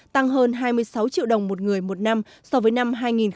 tăng hơn hai mươi sáu triệu đồng một người một năm so với năm hai nghìn một mươi